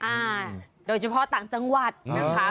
อ่าโดยเฉพาะต่างจังหวัดนะคะ